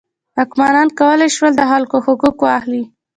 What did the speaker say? واکمنان کولی شول د خلکو حقوق واخلي.